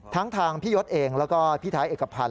ทั้งทางพี่ยศเองแล้วก็พี่ไทยเอกพันธ